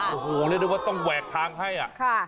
โอ้โหเรียกได้ว่าต้องแหวกทางให้อ่ะ